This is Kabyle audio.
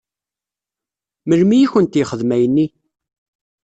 Melmi i kent-yexdem ayenni?